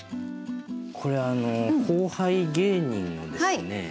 これ後輩芸人のですね